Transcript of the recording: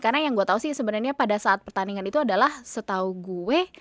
karena yang gue tau sih sebenernya pada saat pertandingan itu adalah setau gue